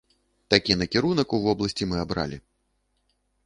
Такі накірунак у вобласці мы абралі.